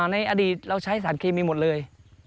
ในอดีตเราใช้สารเคมีหมดเลย